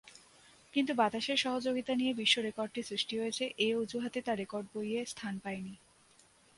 কিন্তু বাতাসের সহযোগিতা নিয়ে বিশ্ব রেকর্ডটি সৃষ্টি হয়েছে এ অজুহাতে তা রেকর্ড বইয়ে স্থান পায়নি।